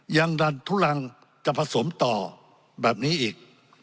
ยังดันทุลังจะผสมต่อแบบนี้อีก